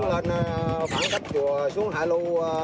lên phẳng khách chùa xuống hạ lu